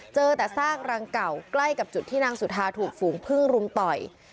เจอแต่ซากรังเก่าใกล้กับจุดที่นางสุธาถูกฝูงพึ่งรุมต่อย